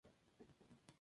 Mapa de Lomas de Solymar.